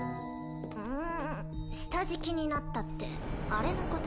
下敷きになったってあれのこと？